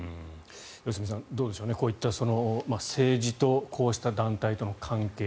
良純さん、どうでしょうこういった政治とこうした団体との関係。